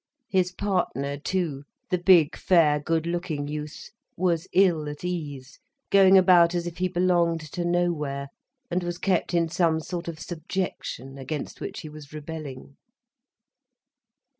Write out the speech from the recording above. His partner, too, the big, fair, good looking youth, was ill at ease, going about as if he belonged to nowhere, and was kept in some sort of subjection, against which he was rebelling.